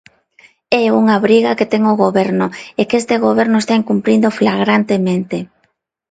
É unha obriga que ten o Goberno e que este Goberno está incumprindo flagrantemente.